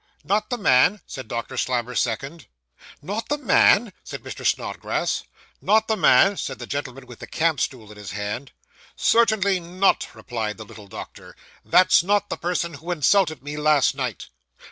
'Not the man!' said Doctor Slammer's second. 'Not the man!' said Mr. Snodgrass. 'Not the man!' said the gentleman with the camp stool in his hand. 'Certainly not,' replied the little doctor. 'That's not the person who insulted me last night.